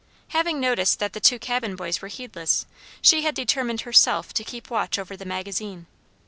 Having noticed that the two cabin boys were heedless, she had determined herself to keep watch over the magazine.